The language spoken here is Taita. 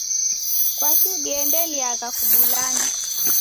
Kwaki diendeliagha kubulana?